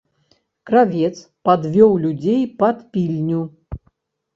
Кравец падвёў людзей пад пільню.